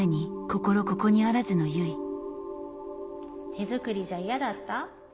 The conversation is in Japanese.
手作りじゃ嫌だった？